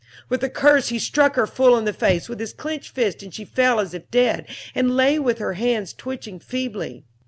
With a curse he struck her full in the face with his clinched fist and she fell as if dead, and lay with her hands twitching feebly.